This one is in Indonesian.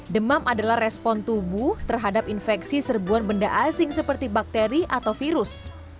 demam adalah respon tubuh terhadap infeksi serbuan benda asing seperti bakteri atau virus